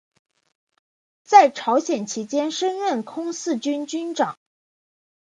在朝鲜期间升任空四军军长。